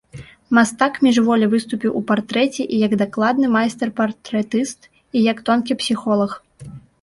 Мастак міжволі выступіў у партрэце і як дакладны майстар-партрэтыст, і як тонкі псіхолаг.